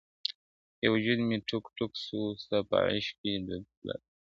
يو وجود مي ټوک، ټوک سو، ستا په عشق کي ډوب تللی.